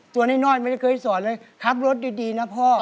ตัวนี่น่อนไม่เคยสอนเลยขับรถดีนะพ่อ